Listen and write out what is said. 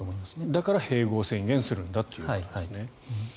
だから併合を宣言するんだということですね。